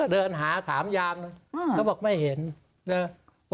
ได้ไปถามยามเสร็จแล้ว